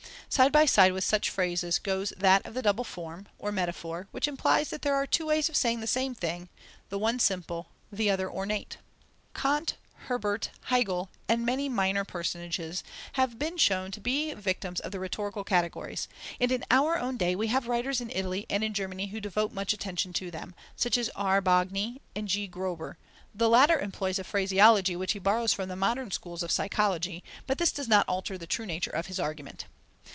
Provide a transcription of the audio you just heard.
Side by side with such phrases goes that of the double form, or metaphor, which implies that there are two ways of saying the same thing, the one simple, the other ornate. Kant, Herbart, Hegel, and many minor personages, have been shown to be victims of the rhetorical categories, and in our own day we have writers in Italy and in Germany who devote much attention to them, such as R. Bonghi and G. Gröber; the latter employs a phraseology which he borrows from the modern schools of psychology, but this does not alter the true nature of his argument.